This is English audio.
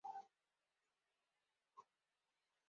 Some attribute the work to Cesare Da Sesto.